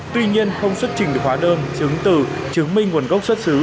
tuy nhiên không xuất trình được hóa đơn chứng từ chứng minh nguồn gốc xuất xứ